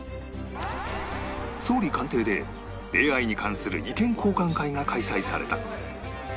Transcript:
総理官邸で ＡＩ に関する意見交換会が開催された